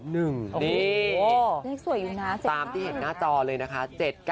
นี่เลขสวยอยู่นะตามที่เห็นหน้าจอเลยนะคะ